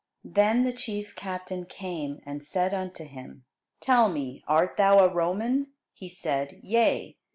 Then the chief captain came, and said unto him, Tell me, art thou a Roman? He said, Yea.